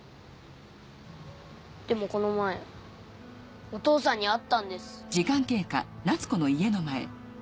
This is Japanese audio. でもこの前お父さんに会ったんです。